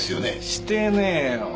してねえよ。